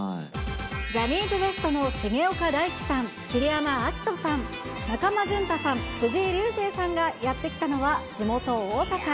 ジャニーズＷＥＳＴの重岡大毅さん、桐山照史さん、中間淳太さん、藤井流星さんがやって来たのは、地元、大阪。